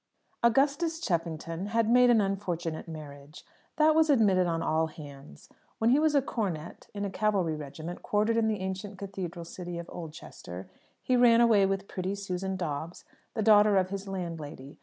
Augustus Cheffington had made an unfortunate marriage. That was admitted on all hands. When he was a Cornet in a cavalry regiment quartered in the ancient Cathedral City of Oldchester, he ran away with pretty Susan Dobbs, the daughter of his landlady.